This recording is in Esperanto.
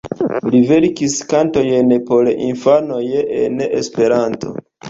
Li verkas kantojn por infanoj en Esperanto.